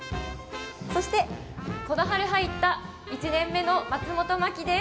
そして、この春入った１年目の松本真季です。